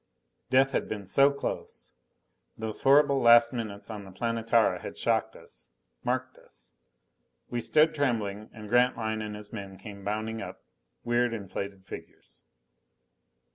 Death had been so close! Those horrible last minutes on the Planetara had shocked us, marked us. We stood trembling. And Grantline and his men came bounding up, weird, inflated figures.